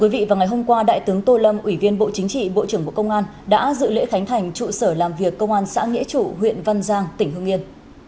vào ngày hôm qua đại tướng tô lâm ủy viên bộ chính trị bộ trưởng bộ công an đã dự lễ khánh thành trụ sở làm việc công an xã nghĩa trụ huyện văn giang tỉnh hương yên